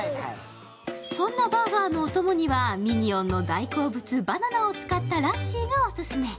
そんなバーガーのおともにはミニオンの好物バナナを使ったラッシーがおすすめ。